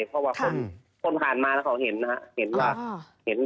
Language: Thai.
เพราะว่าคนผ่านมาเขาเห็นนะครับ